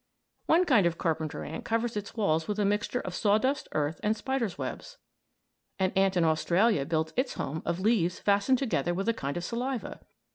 One kind of carpenter ant covers its walls with a mixture of sawdust, earth, and spiders' webs. An ant in Australia builds its home of leaves fastened together with a kind of saliva.